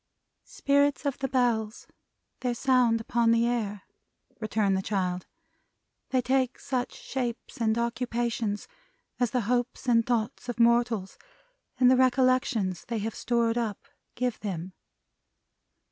"Spirits of the Bells. Their sound upon the air," returned the child. "They take such shapes and occupations as the hopes and thoughts of mortals, and the recollections they have stored up, give them."